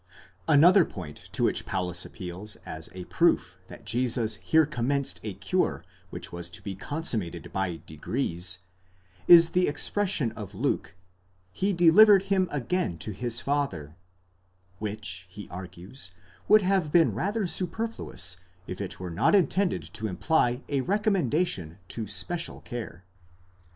Another point to which Paulus appeals as a proof that Jesus here commenced a cure which was to be consummated by degrees, is the expression of Luke, ἀπέδωκεν αὐτὸν τῷ πατρὶ αὐτοῦ, he delivered him again to his father, which, he argues, would have been rather superfluous, if it were not intended to imply a recommendation to special care.